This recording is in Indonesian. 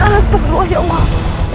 astagfirullah ya allah